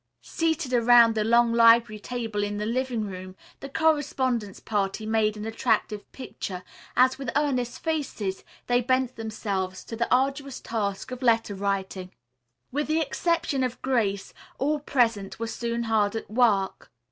Seated around the long library table in the living room, the correspondence party made an attractive picture as, with earnest faces, they bent themselves to the arduous task of letter writing. With the exception of Grace, all present were soon hard at work.